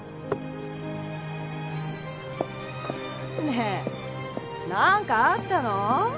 ねえなんかあったの？